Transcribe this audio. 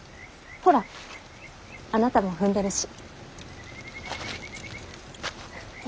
ほらあなたも踏んでるし。